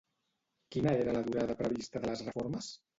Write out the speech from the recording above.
Quina era la durada prevista de les reformes?